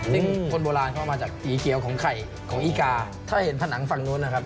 ซึ่งคนโบราณเข้ามาจากสีเขียวของไข่ของอีกาถ้าเห็นผนังฝั่งนู้นนะครับ